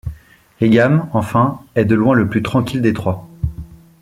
Heigham, enfin, est de loin le plus tranquille des trois.